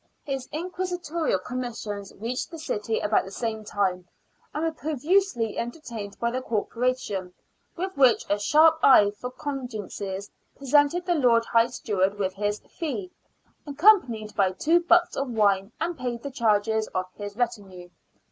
His inquisitorial commissions reached the city about the same time, and were profusely enter tained by the Corporation, which, with a sharp eye for contingencies, presented the Lord High Steward with his " fee," accompanied by two butts of wine, and paid the charges of his retinue.